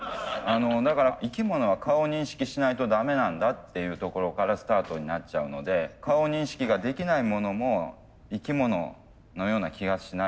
生き物は顔認識しないと駄目なんだっていうところからスタートになっちゃうので顔認識ができないものも生き物のような気がしないかっていうことです。